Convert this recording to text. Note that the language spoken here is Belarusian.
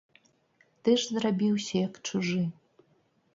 Ты ж зрабіўся, як чужы.